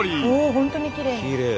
ほんとにきれいに。